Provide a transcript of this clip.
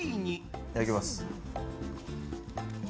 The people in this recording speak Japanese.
いただきます。